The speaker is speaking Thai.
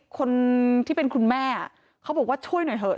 คนที่เป็นคุณแม่เขาบอกว่าช่วยหน่อยเถอะ